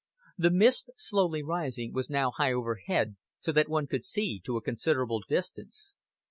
The mist slowly rising was now high overhead, so that one could see to a considerable distance.